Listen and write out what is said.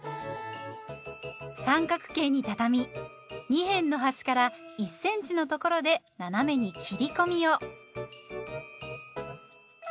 三角形にたたみ二辺の端から１センチのところで斜めに切り込みを。